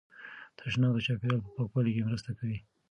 تشناب د چاپیریال په پاکوالي کې مرسته کوي.